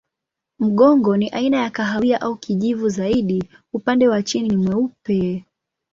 Mgongo ni aina ya kahawia au kijivu zaidi, upande wa chini ni mweupe.